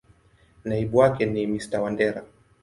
Naibu wake ni Mr.Wandera.